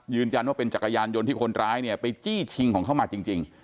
ยืนยันว่าเป็นจักรยานยนต์ที่คนร้ายเนี่ยไปจี้ชิงของเขามาจริง